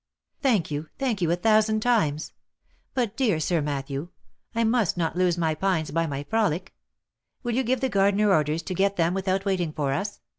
" Thank you ! thank you a thousand times ! But, dear Sir Mat thew, I must not lose my pines by my frolic : will you give the gar dener orders to get them without waiting for us?